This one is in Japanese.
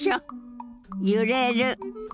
揺れる。